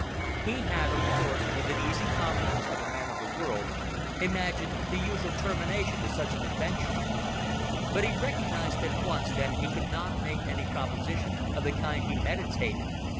He had, of course, with the easy confidence of a man of the world, imagined the usual termination to such an adventure. But he recognised at once that he could not make any proposition of the kind he meditated.